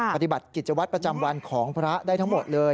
ปฏิบัติกิจวัตรประจำวันของพระได้ทั้งหมดเลย